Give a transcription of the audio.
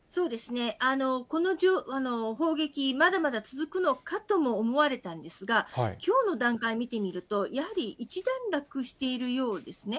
この砲撃、まだまだ続くのかとも思われたんですが、きょうの段階見てみると、やはり一段落しているようですね。